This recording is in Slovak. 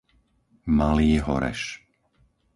Malý Horeš